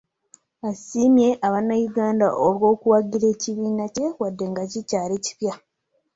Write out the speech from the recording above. Asiimye bannayuganda olw'okuwagira ekibiina kye wadde nga kikyali kipya